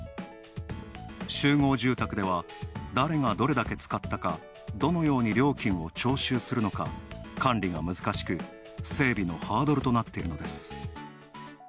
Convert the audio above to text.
集合住宅では誰がどれだけ使ったか、どのように料金を徴収するのか管理が難しく、整備のハードルとなっているのです。